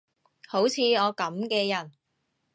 好似我噉嘅人